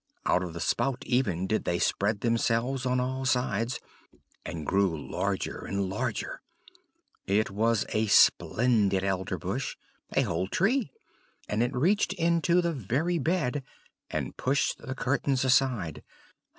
Out of the spout even did they spread themselves on all sides, and grew larger and larger; it was a splendid Elderbush, a whole tree; and it reached into the very bed, and pushed the curtains aside.